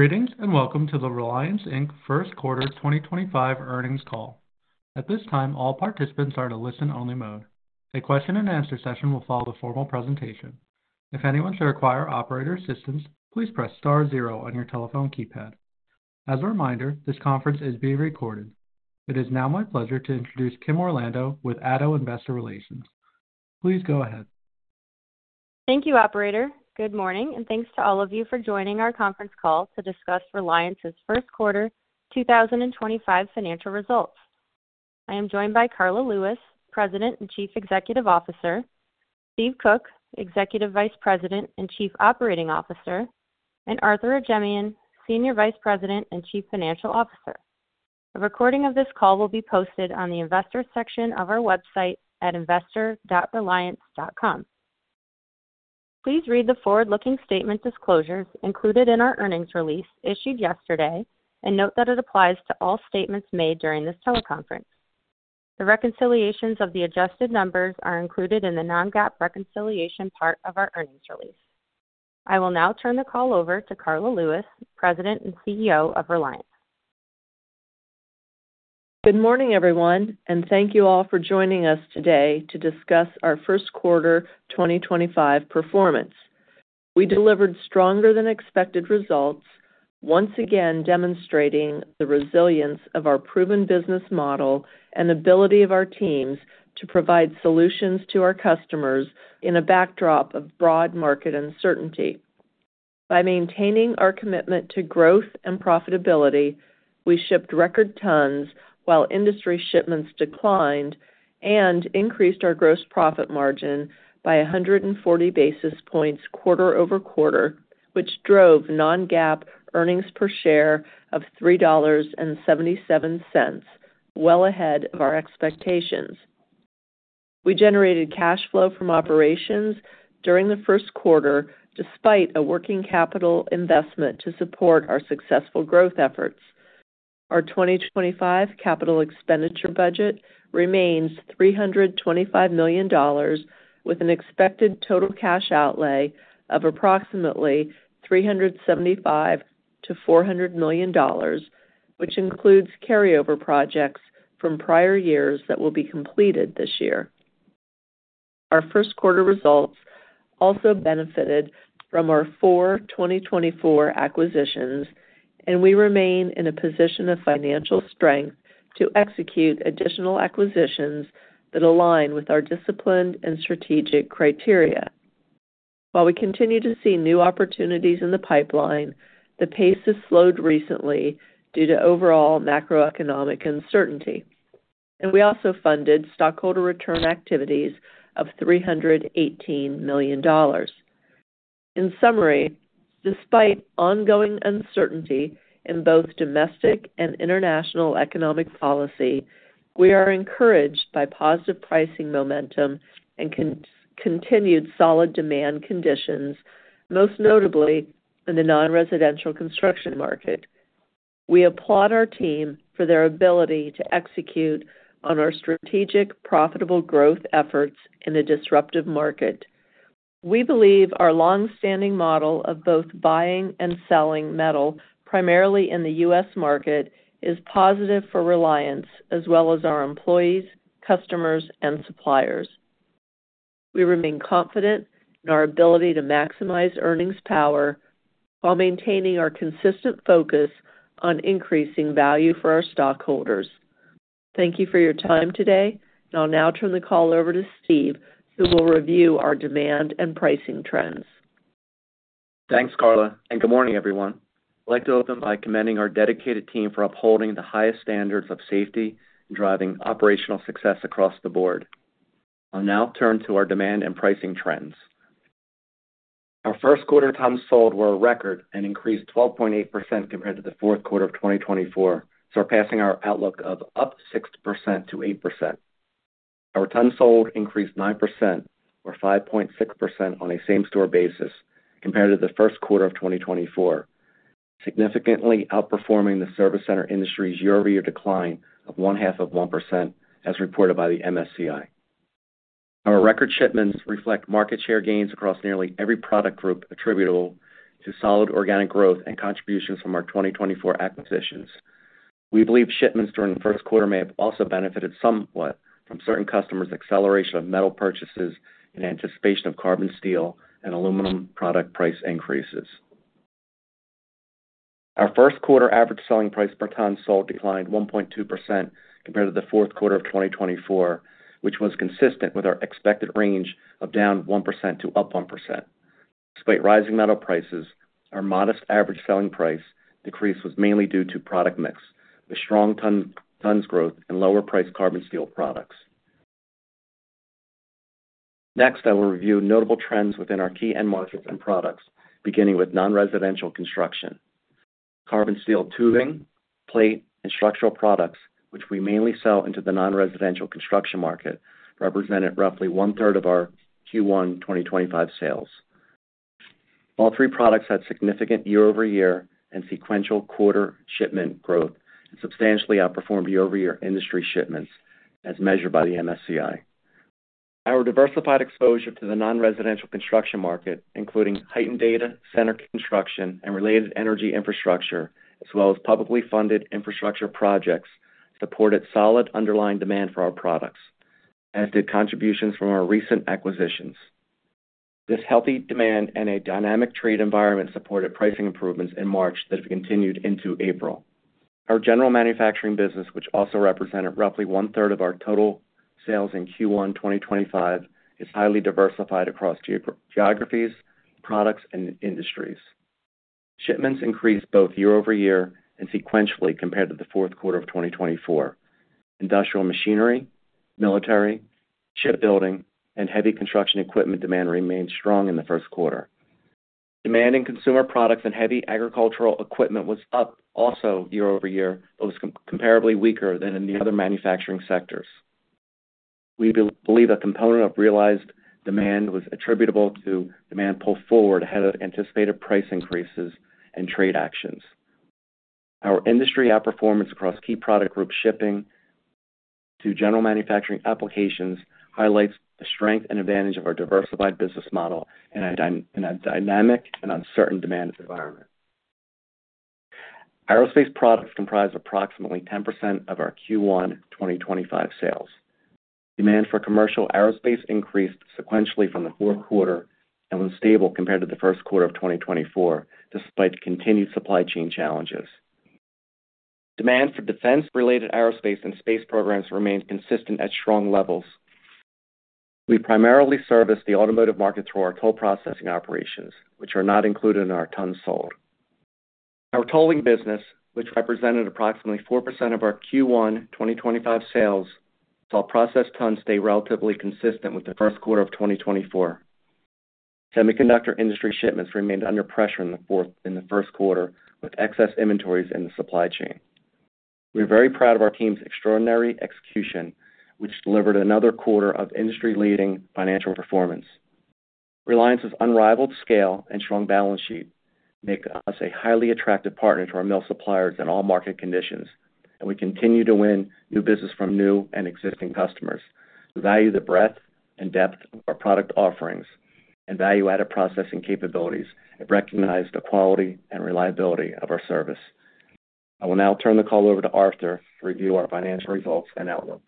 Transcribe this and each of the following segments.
Greetings and welcome to the Reliance First Quarter 2025 Earnings Call. At this time, all participants are in a listen-only mode. A question-and-answer session will follow the formal presentation. If anyone should require operator assistance, please press star zero on your telephone keypad. As a reminder, this conference is being recorded. It is now my pleasure to introduce Kim Orlando with Addo Investor Relations. Please go ahead. Thank you, Operator. Good morning, and thanks to all of you for joining our conference call to discuss Reliance's First Quarter 2025 Financial Results. I am joined by Karla Lewis, President and Chief Executive Officer; Steve Koch, Executive Vice President and Chief Operating Officer; and Arthur Ajemyan, Senior Vice President and Chief Financial Officer. A recording of this call will be posted on the Investor section of our website at investor.reliance.com. Please read the forward-looking statement disclosures included in our earnings release issued yesterday and note that it applies to all statements made during this teleconference. The reconciliations of the adjusted numbers are included in the non-GAAP reconciliation part of our earnings release. I will now turn the call over to Karla Lewis, President and CEO of Reliance. Good morning, everyone, and thank you all for joining us today to discuss our First quarter 2025 performance. We delivered stronger-than-expected results, once again demonstrating the resilience of our proven business model and ability of our teams to provide solutions to our customers in a backdrop of broad market uncertainty. By maintaining our commitment to growth and profitability, we shipped record tons while industry shipments declined and increased our gross profit margin by 140 basis points quarter-over-quarter, which drove non-GAAP earnings per share of $3.77, well ahead of our expectations. We generated cash flow from operations during the first quarter despite a working capital investment to support our successful growth efforts. Our 2025 capital expenditure budget remains $325 million, with an expected total cash outlay of approximately $375-$400 million, which includes carryover projects from prior years that will be completed this year. Our first quarter results also benefited from our four 2024 acquisitions, and we remain in a position of financial strength to execute additional acquisitions that align with our disciplined and strategic criteria. While we continue to see new opportunities in the pipeline, the pace has slowed recently due to overall macroeconomic uncertainty, and we also funded stockholder return activities of $318 million. In summary, despite ongoing uncertainty in both domestic and international economic policy, we are encouraged by positive pricing momentum and continued solid demand conditions, most notably in the non-residential construction market. We applaud our team for their ability to execute on our strategic, profitable growth efforts in a disruptive market. We believe our long-standing model of both buying and selling metal primarily in the U.S. market is positive for Reliance, as well as our employees, customers, and suppliers. We remain confident in our ability to maximize earnings power while maintaining our consistent focus on increasing value for our stockholders. Thank you for your time today, and I'll now turn the call over to Steve, who will review our demand and pricing trends. Thanks, Karla, and good morning, everyone. I'd like to open by commending our dedicated team for upholding the highest standards of safety and driving operational success across the board. I'll now turn to our demand and pricing trends. Our first quarter tons sold were a record and increased 12.8% compared to the fourth quarter of 2024, surpassing our outlook of up 6%-8%. Our tons sold increased 9%, or 5.6% on a same-store basis compared to the first quarter of 2024, significantly outperforming the service center industry's year-over-year decline of one half of 1%, as reported by the MSCI. Our record shipments reflect market share gains across nearly every product group attributable to solid organic growth and contributions from our 2024 acquisitions. We believe shipments during the first quarter may have also benefited somewhat from certain customers' acceleration of metal purchases in anticipation of carbon steel and aluminum product price increases. Our first quarter average selling price per ton sold declined 1.2% compared to the fourth quarter of 2024, which was consistent with our expected range of down 1% to up 1%. Despite rising metal prices, our modest average selling price decrease was mainly due to product mix, with strong tons growth and lower-priced carbon steel products. Next, I will review notable trends within our key end markets and products, beginning with non-residential construction. Carbon steel tubing, plate, and structural products, which we mainly sell into the non-residential construction market, represented roughly one-third of our Q1 2025 sales. All three products had significant year-over-year and sequential quarter shipment growth and substantially outperformed year-over-year industry shipments, as measured by the MSCI. Our diversified exposure to the non-residential construction market, including heightened data center construction and related energy infrastructure, as well as publicly funded infrastructure projects, supported solid underlying demand for our products, as did contributions from our recent acquisitions. This healthy demand and a dynamic trade environment supported pricing improvements in March that have continued into April. Our general manufacturing business, which also represented roughly one-third of our total sales in Q1 2025, is highly diversified across geographies, products, and industries. Shipments increased both year-over-year and sequentially compared to the fourth quarter of 2024. Industrial machinery, military, shipbuilding, and heavy construction equipment demand remained strong in the first quarter. Demand in consumer products and heavy agricultural equipment was up also year-over-year, but was comparably weaker than in the other manufacturing sectors. We believe a component of realized demand was attributable to demand pulled forward ahead of anticipated price increases and trade actions. Our industry outperformance across key product group shipping to general manufacturing applications highlights the strength and advantage of our diversified business model in a dynamic and uncertain demand environment. Aerospace products comprise approximately 10% of our Q1 2025 sales. Demand for commercial aerospace increased sequentially from the fourth quarter and was stable compared to the first quarter of 2024, despite continued supply chain challenges. Demand for defense-related aerospace and space programs remained consistent at strong levels. We primarily service the automotive market through our toll processing operations, which are not included in our tons sold. Our tolling business, which represented approximately 4% of our Q1 2025 sales, saw processed tons stay relatively consistent with the first quarter of 2024. Semiconductor industry shipments remained under pressure in the first quarter with excess inventories in the supply chain. We are very proud of our team's extraordinary execution, which delivered another quarter of industry-leading financial performance. Reliance's unrivaled scale and strong balance sheet make us a highly attractive partner to our mill suppliers in all market conditions, and we continue to win new business from new and existing customers who value the breadth and depth of our product offerings and value-added processing capabilities and recognize the quality and reliability of our service. I will now turn the call over to Arthur to review our financial results and outlook.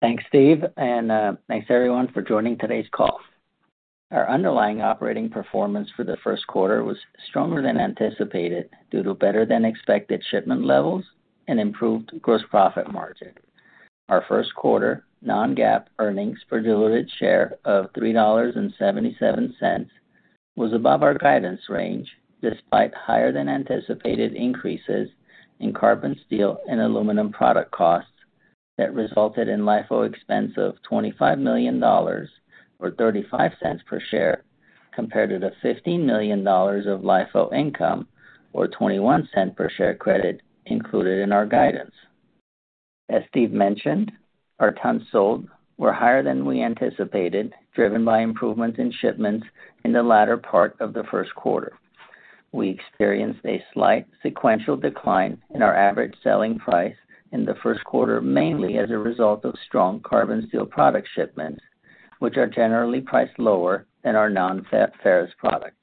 Thanks, Steve, and thanks to everyone for joining today's call. Our underlying operating performance for the first quarter was stronger than anticipated due to better-than-expected shipment levels and improved gross profit margin. Our first quarter non-GAAP earnings per diluted share of $3.77 was above our guidance range despite higher-than-anticipated increases in carbon steel and aluminum product costs that resulted in LIFO expense of $25 million, or $0.35 per share, compared to the $15 million of LIFO income, or $0.21 per share credit included in our guidance. As Steve mentioned, our tons sold were higher than we anticipated, driven by improvements in shipments in the latter part of the first quarter. We experienced a slight sequential decline in our average selling price in the first quarter, mainly as a result of strong carbon steel product shipments, which are generally priced lower than our non-ferrous products.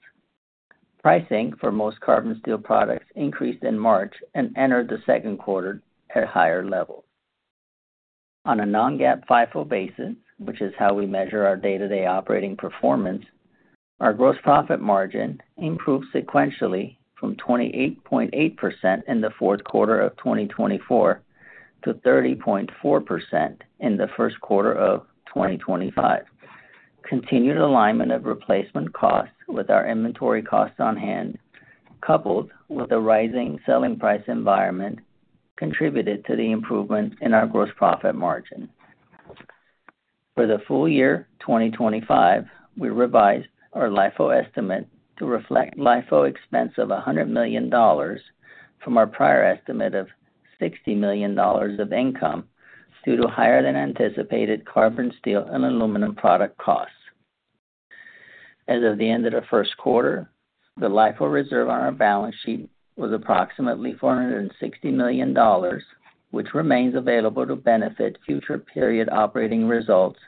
Pricing for most carbon steel products increased in March and entered the second quarter at higher levels. On a non-GAAP FIFO basis, which is how we measure our day-to-day operating performance, our gross profit margin improved sequentially from 28.8% in the fourth quarter of 2024 to 30.4% in the first quarter of 2025. Continued alignment of replacement costs with our inventory costs on hand, coupled with a rising selling price environment, contributed to the improvement in our gross profit margin. For the full year 2025, we revised our LIFO estimate to reflect LIFO expense of $100 million from our prior estimate of $60 million of income due to higher-than-anticipated carbon steel and aluminum product costs. As of the end of the first quarter, the LIFO reserve on our balance sheet was approximately $460 million, which remains available to benefit future period operating results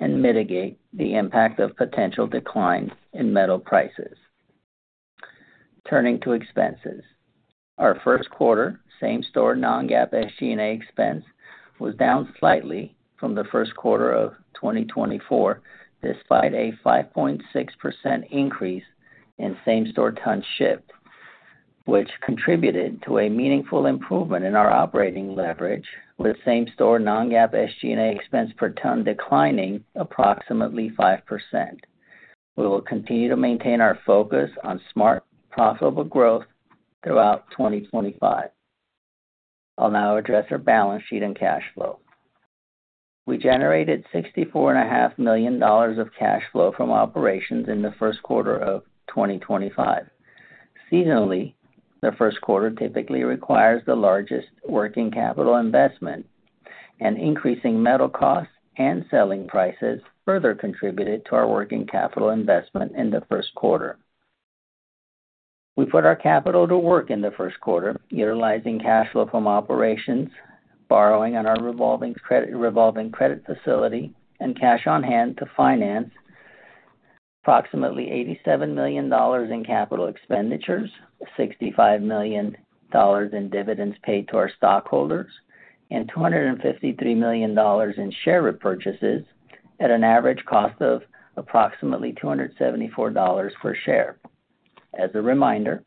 and mitigate the impact of potential decline in metal prices. Turning to expenses, our first quarter same-store non-GAAP SG&A expense was down slightly from the first quarter of 2024, despite a 5.6% increase in same-store tons shipped, which contributed to a meaningful improvement in our operating leverage, with same-store non-GAAP SG&A expense per ton declining approximately 5%. We will continue to maintain our focus on smart, profitable growth throughout 2025. I'll now address our balance sheet and cash flow. We generated $64.5 million of cash flow from operations in the first quarter of 2025. Seasonally, the first quarter typically requires the largest working capital investment, and increasing metal costs and selling prices further contributed to our working capital investment in the first quarter. We put our capital to work in the first quarter, utilizing cash flow from operations, borrowing on our revolving credit facility, and cash on hand to finance approximately $87 million in capital expenditures, $65 million in dividends paid to our stockholders, and $253 million in share repurchases at an average cost of approximately $274 per share. As a reminder,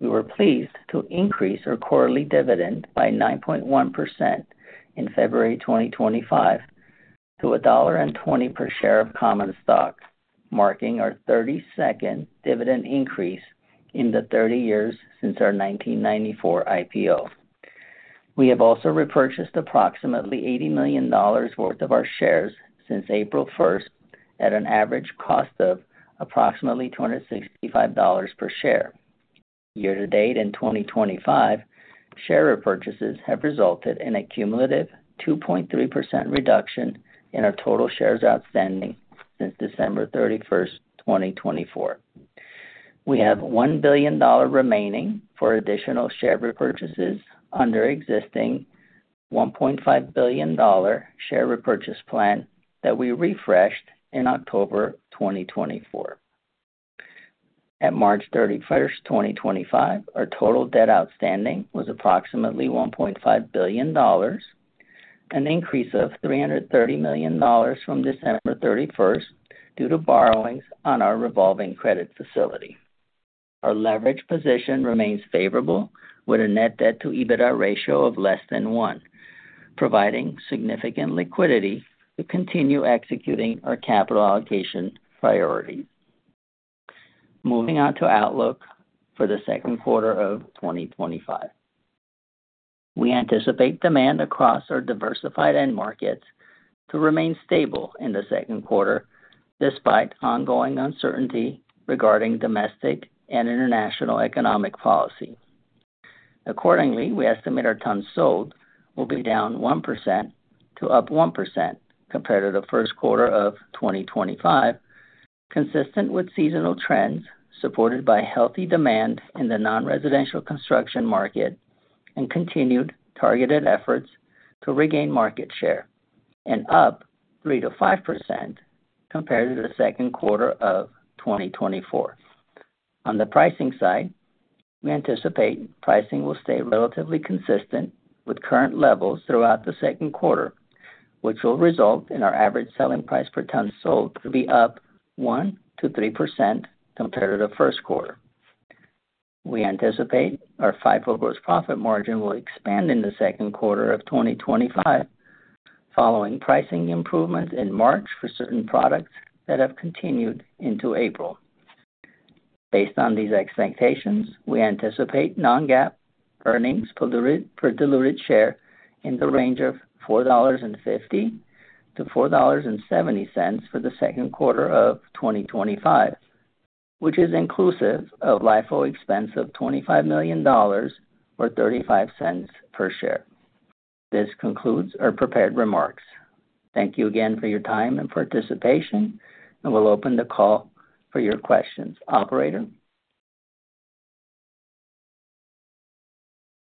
we were pleased to increase our quarterly dividend by 9.1% in February 2025 to $1.20 per share of common stock, marking our 32nd dividend increase in the 30 years since our 1994 IPO. We have also repurchased approximately $80 million worth of our shares since April 1 at an average cost of approximately $265 per share. Year-to-date in 2025, share repurchases have resulted in a cumulative 2.3% reduction in our total shares outstanding since December 31, 2024. We have $1 billion remaining for additional share repurchases under existing $1.5 billion share repurchase plan that we refreshed in October 2024. At March 31, 2025, our total debt outstanding was approximately $1.5 billion, an increase of $330 million from December 31 due to borrowings on our revolving credit facility. Our leverage position remains favorable, with a net debt-to-EBITDA ratio of less than 1, providing significant liquidity to continue executing our capital allocation priorities. Moving on to outlook for the second quarter of 2025, we anticipate demand across our diversified end markets to remain stable in the second quarter despite ongoing uncertainty regarding domestic and international economic policy. Accordingly, we estimate our tons sold will be down 1% to up 1% compared to the first quarter of 2025, consistent with seasonal trends supported by healthy demand in the non-residential construction market and continued targeted efforts to regain market share, and up 3%-5% compared to the second quarter of 2024. On the pricing side, we anticipate pricing will stay relatively consistent with current levels throughout the second quarter, which will result in our average selling price per ton sold to be up 1%-3% compared to the first quarter. We anticipate our FIFO gross profit margin will expand in the second quarter of 2025, following pricing improvements in March for certain products that have continued into April. Based on these expectations, we anticipate non-GAAP earnings per diluted share in the range of $4.50-$4.70 for the second quarter of 2025, which is inclusive of LIFO expense of $25 million or $0.35 per share. This concludes our prepared remarks. Thank you again for your time and participation, and we'll open the call for your questions. Operator.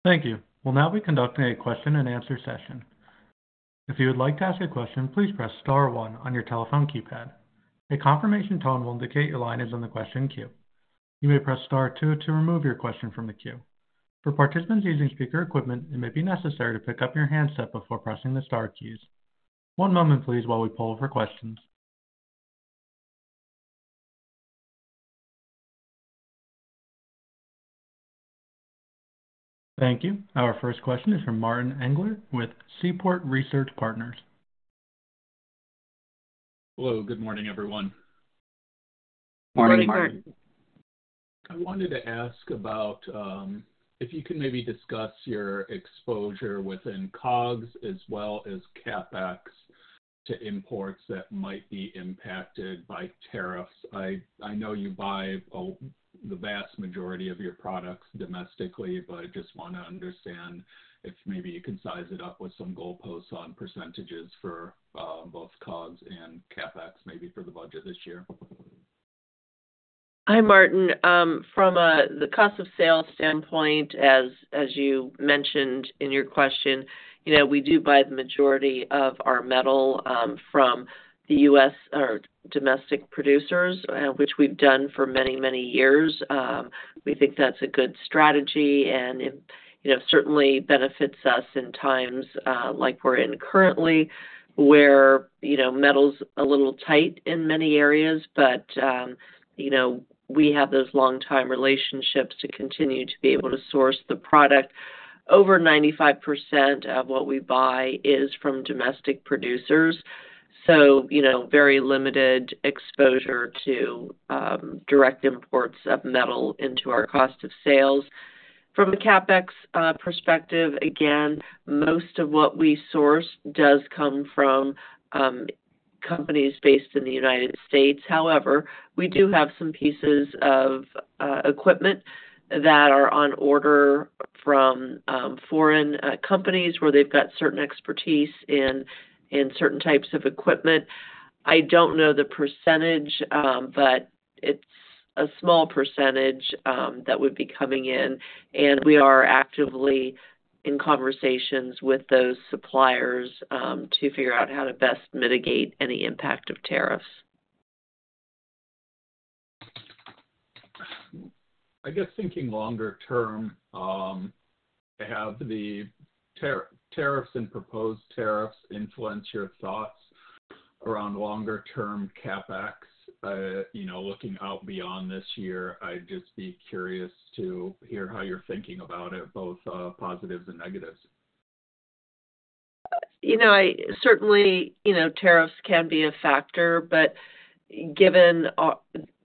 Thank you. We'll now be conducting a question-and-answer session. If you would like to ask a question, please press Star one on your telephone keypad. A confirmation tone will indicate your line is on the question queue. You may press Star two to remove your question from the queue. For participants using speaker equipment, it may be necessary to pick up your handset before pressing the Star keys. One moment, please, while we pull for questions. Thank you. Our first question is from Martin Englert with Seaport Research Partners. Hello. Good morning, everyone. Morning, Martin. I wanted to ask about if you can maybe discuss your exposure within COGS as well as CapEx to imports that might be impacted by tariffs. I know you buy the vast majority of your products domestically, but I just want to understand if maybe you can size it up with some goalposts on percentages for both COGS and CapEx, maybe for the budget this year. Hi, Martin. From the cost of sales standpoint, as you mentioned in your question, we do buy the majority of our metal from the U.S. or domestic producers, which we've done for many, many years. We think that's a good strategy and certainly benefits us in times like we're in currently where metal's a little tight in many areas, but we have those long-time relationships to continue to be able to source the product. Over 95% of what we buy is from domestic producers, so very limited exposure to direct imports of metal into our cost of sales. From a CapEx perspective, again, most of what we source does come from companies based in the United States. However, we do have some pieces of equipment that are on order from foreign companies where they've got certain expertise in certain types of equipment. I don't know the percentage, but it's a small percentage that would be coming in, and we are actively in conversations with those suppliers to figure out how to best mitigate any impact of tariffs. I guess thinking longer term, have the tariffs and proposed tariffs influenced your thoughts around longer-term CapEx looking out beyond this year? I'd just be curious to hear how you're thinking about it, both positives and negatives. Certainly, tariffs can be a factor, but given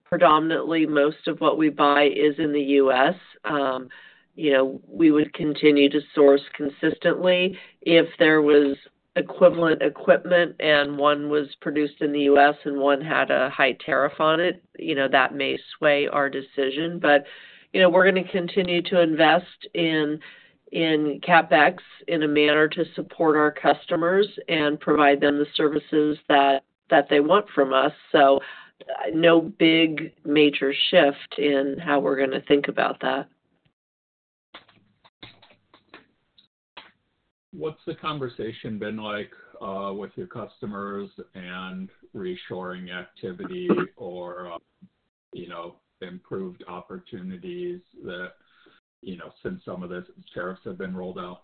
predominantly most of what we buy is in the U.S., we would continue to source consistently. If there was equivalent equipment and one was produced in the U.S. and one had a high tariff on it, that may sway our decision. We are going to continue to invest in CapEx in a manner to support our customers and provide them the services that they want from us. No big major shift in how we are going to think about that. What's the conversation been like with your customers and reshoring activity or improved opportunities since some of the tariffs have been rolled out?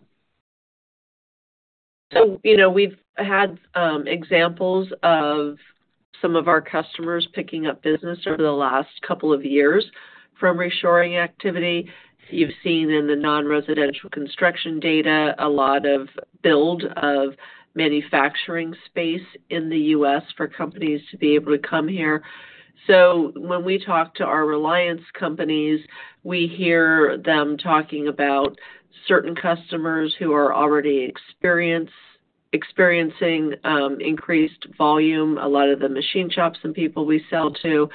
We've had examples of some of our customers picking up business over the last couple of years from reshoring activity. You've seen in the non-residential construction data a lot of build of manufacturing space in the U.S. for companies to be able to come here. When we talk to our Reliance companies, we hear them talking about certain customers who are already experiencing increased volume, a lot of the machine shops and people we sell to.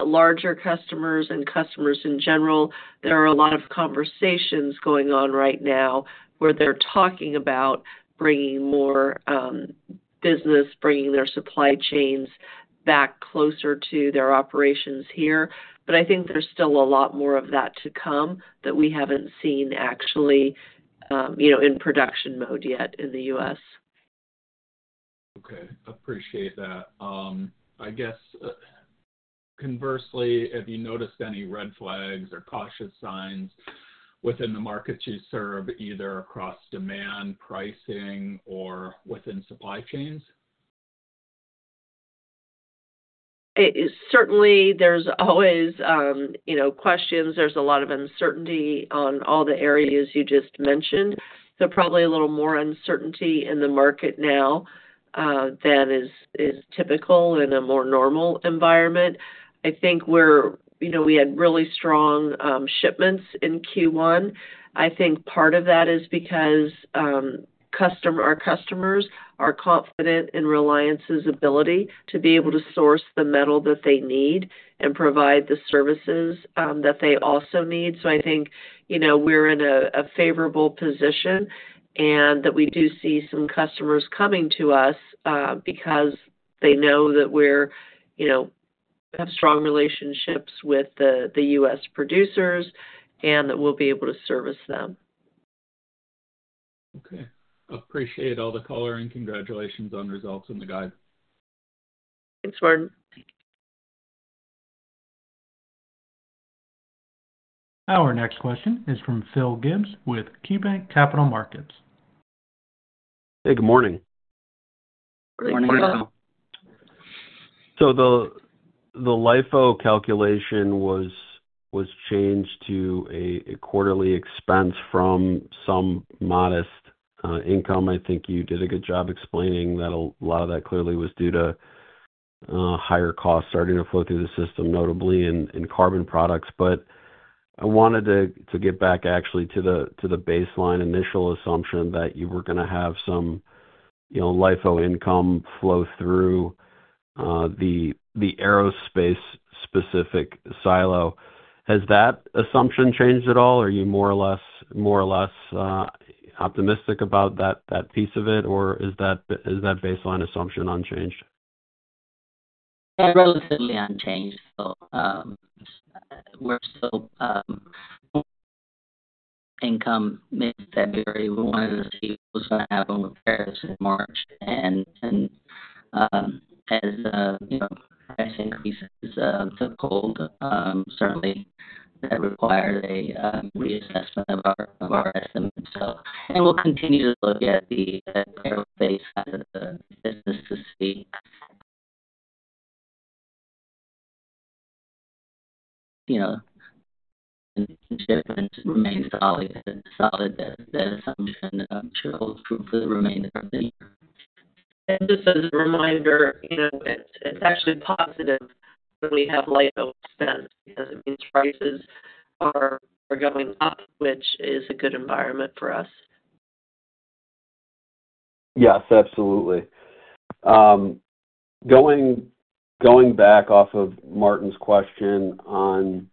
Larger customers and customers in general, there are a lot of conversations going on right now where they're talking about bringing more business, bringing their supply chains back closer to their operations here. I think there's still a lot more of that to come that we haven't seen actually in production mode yet in the U.S. Okay. Appreciate that. I guess conversely, have you noticed any red flags or cautious signs within the markets you serve, either across demand, pricing, or within supply chains? Certainly, there's always questions. There's a lot of uncertainty on all the areas you just mentioned. There's probably a little more uncertainty in the market now than is typical in a more normal environment. I think we had really strong shipments in Q1. I think part of that is because our customers are confident in Reliance's ability to be able to source the metal that they need and provide the services that they also need. I think we're in a favorable position and that we do see some customers coming to us because they know that we have strong relationships with the U.S. producers and that we'll be able to service them. Okay. Appreciate all the color and congratulations on results in the guide. Thanks, Martin. Our next question is from Phil Gibbs with KeyBanc Capital Markets. Hey, good morning. Morning, Phil. The LIFO calculation was changed to a quarterly expense from some modest income. I think you did a good job explaining that a lot of that clearly was due to higher costs starting to flow through the system, notably in carbon products. I wanted to get back actually to the baseline initial assumption that you were going to have some LIFO income flow through the aerospace-specific silo. Has that assumption changed at all? Are you more or less optimistic about that piece of it, or is that baseline assumption unchanged? Yeah, relatively unchanged. We're still income mid-February. We wanted to see what was going to happen with Prices in March. As price increases took hold, certainly, that requires a reassessment of our estimates. We'll continue to look at the aerospace business to see if the shipments remain solid. That assumption should hold true for the remainder of the year. Just as a reminder, it's actually positive that we have LIFO expense because it means prices are going up, which is a good environment for us. Yes, absolutely. Going back off of Martin's question on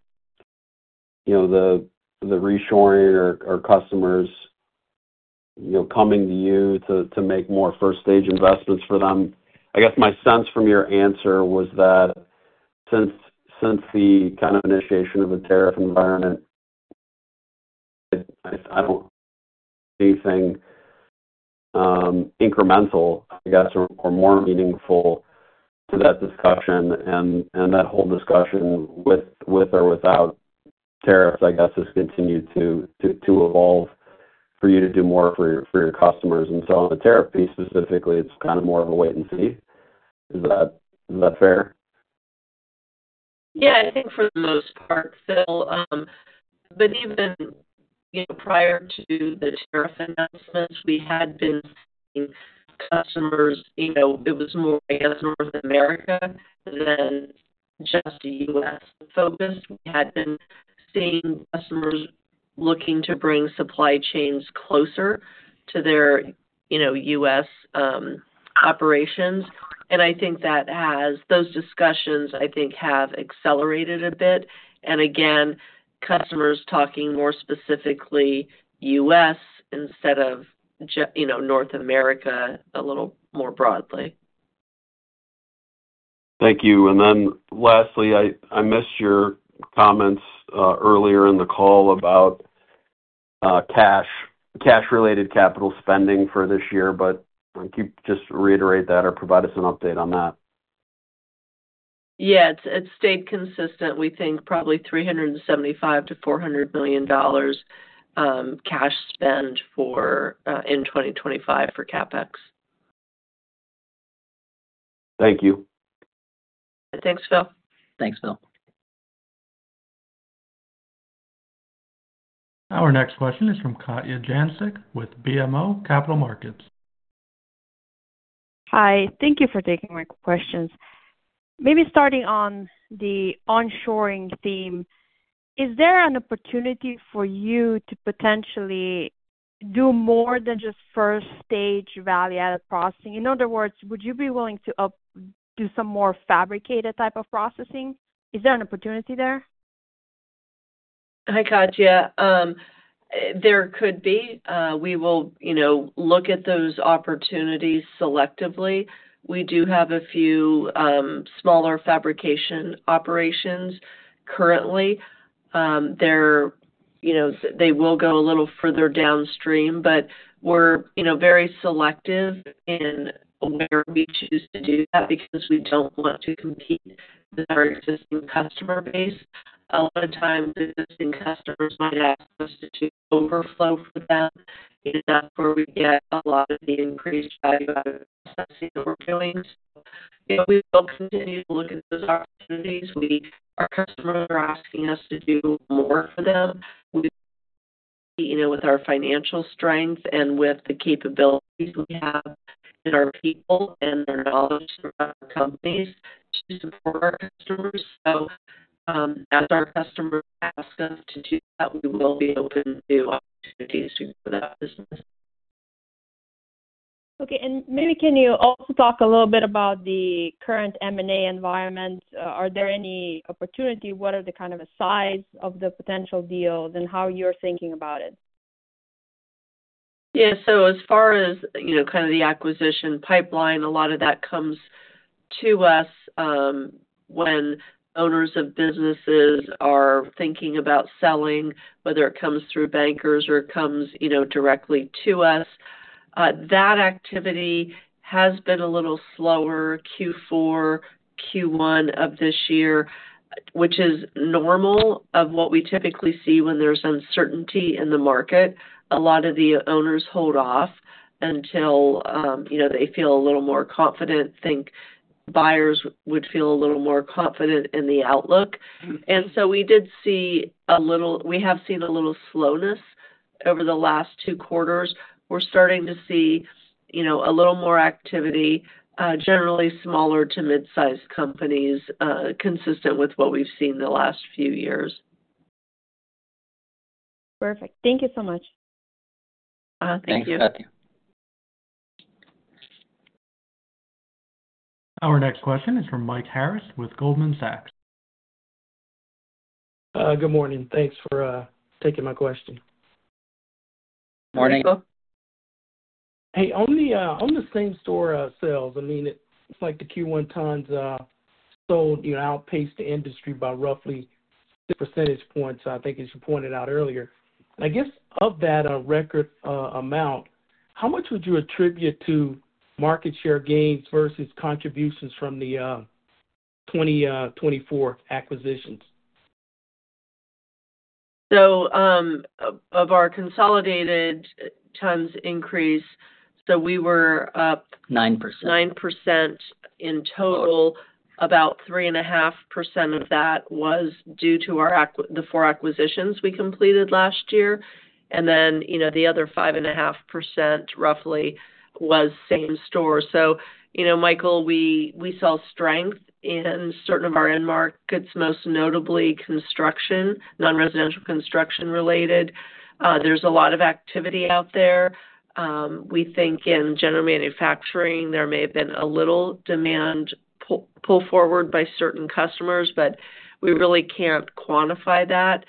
the reshoring or customers coming to you to make more first-stage investments for them, I guess my sense from your answer was that since the kind of initiation of the tariff environment, I do not see anything incremental, I guess, or more meaningful to that discussion. That whole discussion with or without tariffs, I guess, has continued to evolve for you to do more for your customers. On the tariff piece specifically, it is kind of more of a wait and see. Is that fair? Yeah, I think for the most part, Phil. Even prior to the tariff announcements, we had been seeing customers, it was more, I guess, North America than just U.S. focused. We had been seeing customers looking to bring supply chains closer to their U.S. operations. I think those discussions have accelerated a bit. Again, customers are talking more specifically U.S. instead of North America a little more broadly. Thank you. Lastly, I missed your comments earlier in the call about cash-related capital spending for this year, but just reiterate that or provide us an update on that. Yeah, it stayed consistent. We think probably $375 million-$400 million cash spend in 2025 for CapEx. Thank you. Thanks, Phil. Thanks, Phil. Our next question is from Katja Jancic with BMO Capital Markets. Hi. Thank you for taking my questions. Maybe starting on the onshoring theme, is there an opportunity for you to potentially do more than just first-stage value-added processing? In other words, would you be willing to do some more fabricated type of processing? Is there an opportunity there? Hi, Katja. There could be. We will look at those opportunities selectively. We do have a few smaller fabrication operations currently. They will go a little further downstream, but we're very selective in where we choose to do that because we don't want to compete with our existing customer base. A lot of times, existing customers might ask us to do overflow for them in an effort where we get a lot of the increased value-added processing that we're doing. We will continue to look at those opportunities. Our customers are asking us to do more for them with our financial strength and with the capabilities we have in our people and their knowledge from other companies to support our customers. As our customers ask us to do that, we will be open to opportunities to grow that business. Okay. Maybe can you also talk a little bit about the current M&A environment? Are there any opportunities? What are the kind of size of the potential deals and how you're thinking about it? Yeah. As far as kind of the acquisition pipeline, a lot of that comes to us when owners of businesses are thinking about selling, whether it comes through bankers or it comes directly to us. That activity has been a little slower Q4, Q1 of this year, which is normal of what we typically see when there's uncertainty in the market. A lot of the owners hold off until they feel a little more confident. I think buyers would feel a little more confident in the outlook. We did see a little—we have seen a little slowness over the last two quarters. We're starting to see a little more activity, generally smaller to mid-sized companies, consistent with what we've seen the last few years. Perfect. Thank you so much. Thank you. Thanks, Katja. Our next question is from Mike Harris with Goldman Sachs. Good morning. Thanks for taking my question. Good morning. Hey, on the same store sales, I mean, it's like the Q1 tons sold outpaced the industry by roughly 6 percentage points, I think, as you pointed out earlier. I guess of that record amount, how much would you attribute to market share gains versus contributions from the 2024 acquisitions? Of our consolidated tons increase, we were up. 9%. 9% in total. About 3.5% of that was due to the four acquisitions we completed last year. The other 5.5% roughly was same store. Michael, we saw strength in certain of our end markets, most notably construction, non-residential construction related. There is a lot of activity out there. We think in general manufacturing, there may have been a little demand pull forward by certain customers, but we really can't quantify that.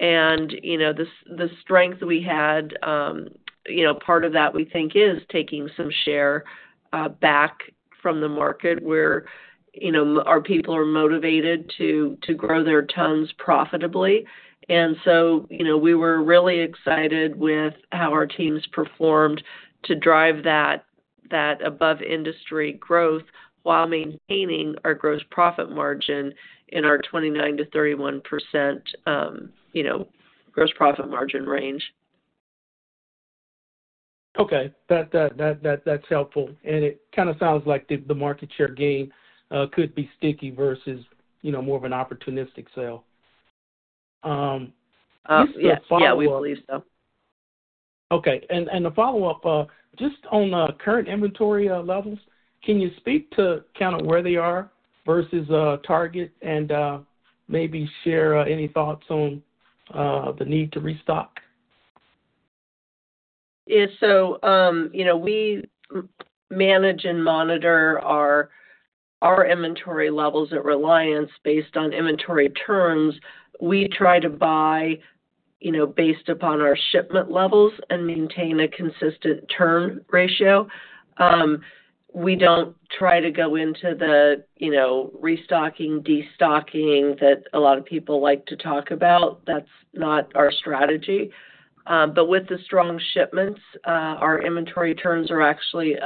The strength we had, part of that we think is taking some share back from the market where our people are motivated to grow their tons profitably. We were really excited with how our teams performed to drive that above-industry growth while maintaining our gross profit margin in our 29-31% gross profit margin range. Okay. That's helpful. It kind of sounds like the market share gain could be sticky versus more of an opportunistic sale. Yes, yeah, we believe so. Okay. The follow-up, just on current inventory levels, can you speak to kind of where they are versus target and maybe share any thoughts on the need to restock? Yeah. We manage and monitor our inventory levels at Reliance based on inventory turns. We try to buy based upon our shipment levels and maintain a consistent turn ratio. We do not try to go into the restocking, destocking that a lot of people like to talk about. That is not our strategy. With the strong shipments, our inventory turns are actually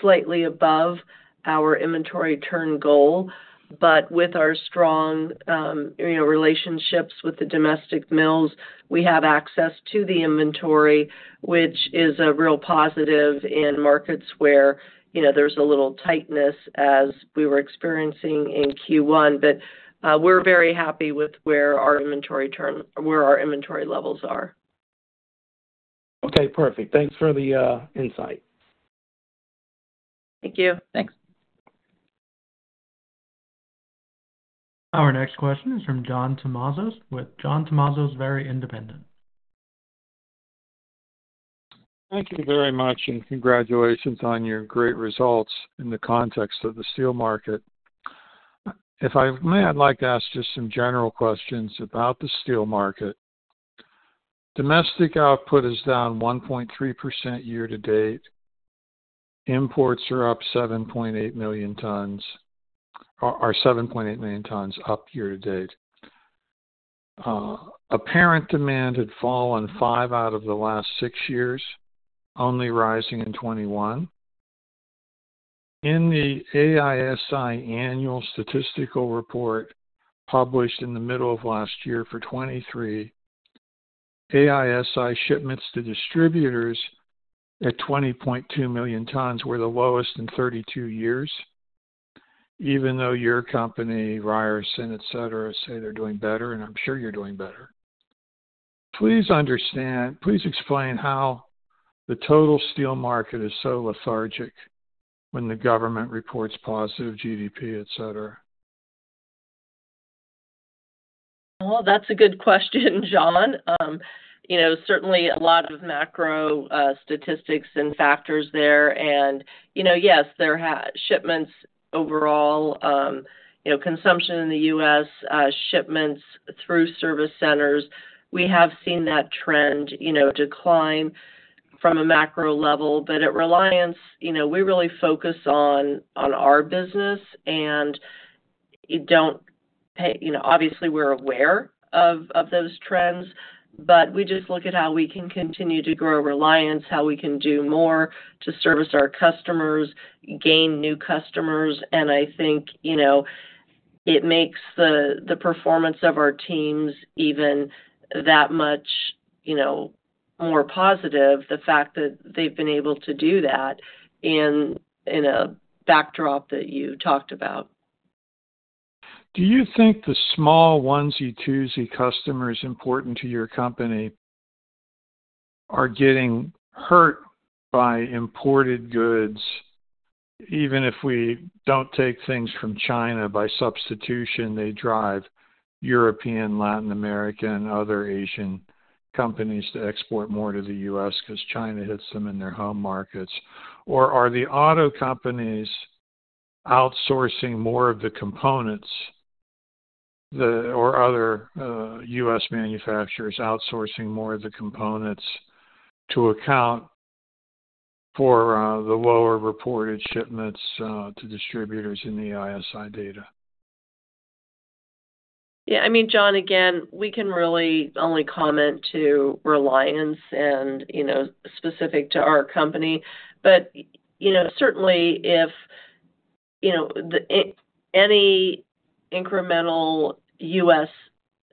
slightly above our inventory turn goal. With our strong relationships with the domestic mills, we have access to the inventory, which is a real positive in markets where there is a little tightness as we were experiencing in Q1. We are very happy with where our inventory levels are. Okay. Perfect. Thanks for the insight. Thank you. Thanks. Our next question is from John Tumazos with John Tumazos, Very Independent. Thank you very much and congratulations on your great results in the context of the steel market. If I may, I'd like to ask just some general questions about the steel market. Domestic output is down 1.3% year to date. Imports are up 7.8 million tons or 7.8 million tons up year to date. Apparent demand had fallen five out of the last six years, only rising in 2021. In the AISI annual statistical report published in the middle of last year for 2023, AISI shipments to distributors at 20.2 million tons were the lowest in 32 years, even though your company, Ryerson, etc., say they're doing better, and I'm sure you're doing better. Please explain how the total steel market is so lethargic when the government reports positive GDP, etc. That is a good question, John. Certainly, a lot of macro statistics and factors there. Yes, there are shipments overall, consumption in the U.S., shipments through service centers. We have seen that trend decline from a macro level. At Reliance, we really focus on our business and obviously, we are aware of those trends, but we just look at how we can continue to grow Reliance, how we can do more to service our customers, gain new customers. I think it makes the performance of our teams even that much more positive, the fact that they have been able to do that in a backdrop that you talked about. Do you think the small onesie-twosie customers important to your company are getting hurt by imported goods? Even if we do not take things from China by substitution, they drive European, Latin American, and other Asian companies to export more to the U.S. because China hits them in their home markets. Are the auto companies outsourcing more of the components or other U.S. manufacturers outsourcing more of the components to account for the lower reported shipments to distributors in the AISI data? Yeah. I mean, John, again, we can really only comment to Reliance and specific to our company. Certainly, if any incremental U.S.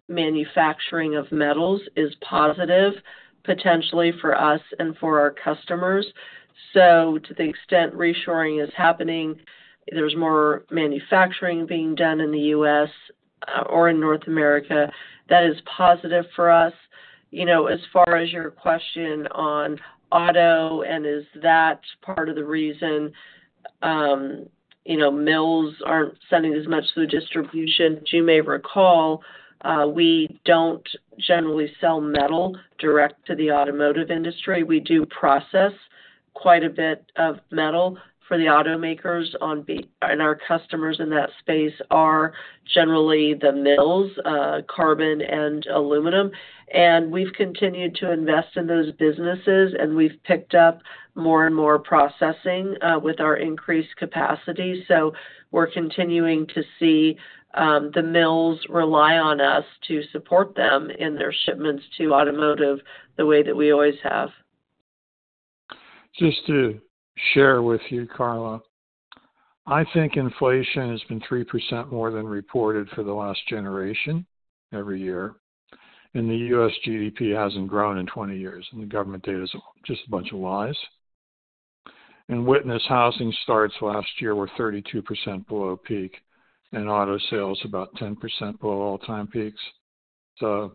manufacturing of metals is positive potentially for us and for our customers. To the extent reshoring is happening, there is more manufacturing being done in the U.S. or in North America. That is positive for us. As far as your question on auto and is that part of the reason mills are not sending as much to the distribution? As you may recall, we do not generally sell metal direct to the automotive industry. We do process quite a bit of metal for the automakers, and our customers in that space are generally the mills, carbon and aluminum. We have continued to invest in those businesses, and we have picked up more and more processing with our increased capacity. We're continuing to see the mills rely on us to support them in their shipments to automotive the way that we always have. Just to share with you, Karla, I think inflation has been 3% more than reported for the last generation every year. The U.S. GDP has not grown in 20 years. The government data is just a bunch of lies. Witness housing starts last year were 32% below peak, and auto sales about 10% below all-time peaks. I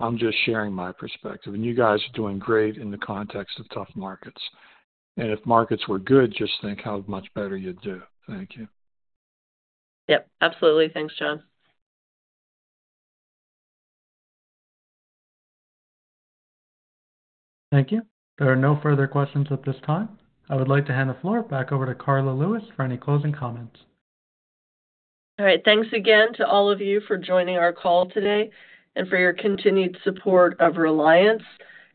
am just sharing my perspective. You guys are doing great in the context of tough markets. If markets were good, just think how much better you would do. Thank you. Yep. Absolutely. Thanks, John. Thank you. There are no further questions at this time. I would like to hand the floor back over to Karla Lewis for any closing comments. All right. Thanks again to all of you for joining our call today and for your continued support of Reliance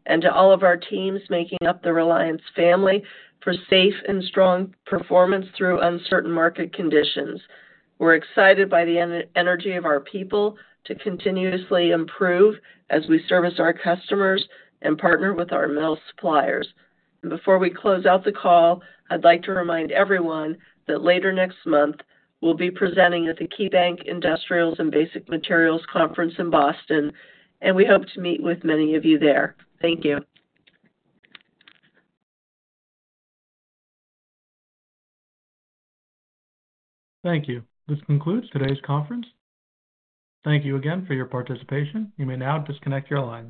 and to all of our teams making up the Reliance family for safe and strong performance through uncertain market conditions. We're excited by the energy of our people to continuously improve as we service our customers and partner with our mill suppliers. Before we close out the call, I'd like to remind everyone that later next month we'll be presenting at the KeyBanc Industrials and Basic Materials Conference in Boston. We hope to meet with many of you there. Thank you. Thank you. This concludes today's conference. Thank you again for your participation. You may now disconnect your lines.